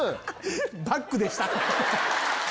バッグでした！